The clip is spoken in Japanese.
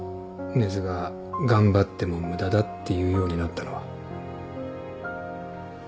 根津が「頑張っても無駄だ」って言うようになったのは。